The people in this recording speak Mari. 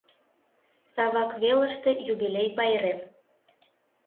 САВАК ВЕЛЫШТЕ ЮБИЛЕЙ ПАЙРЕМ